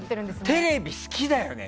テレビ、好きだよね。